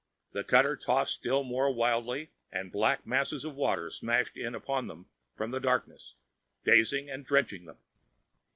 The cutter tossed still more wildly and black masses of water smashed in upon them from the darkness, dazing and drenching them.